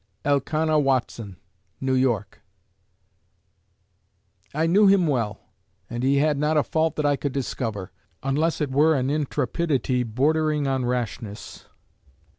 ELKANAH WATSON (New York) I knew him well, and he had not a fault that I could discover, unless it were an intrepidity bordering on rashness.